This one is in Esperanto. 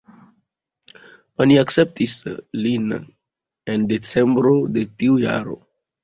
Oni akceptis lin en decembro de tiu jaro.